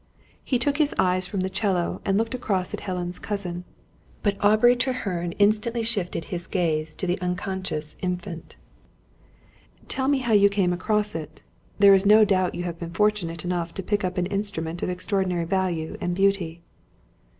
He took his eyes from the 'cello and looked across at Helen's cousin; but Aubrey Treherne instantly shifted his gaze to the unconscious Infant. "Tell me how you came across it. There is no doubt you have been fortunate enough to pick up an instrument of extraordinary value and beauty."